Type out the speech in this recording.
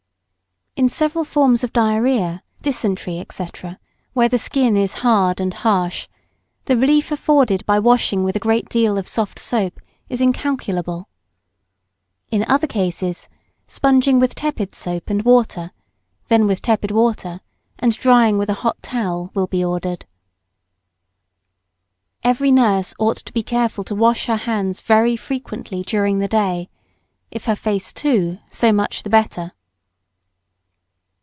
In several forms of diarrhoea, dysentery, &c., where the skin is hard and harsh, the relief afforded by washing with a great deal of soft soap is incalculable. In other cases, sponging with tepid soap and water, then with tepid water and drying with a hot towel will be ordered. Every nurse ought to be careful to wash her hands very frequently during the day. If her face too, so much the better.